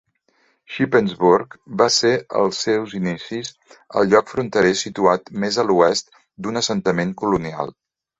Shippensburg va ser als seus inicis el lloc fronterer situat més a l"oest d"un assentament colonial.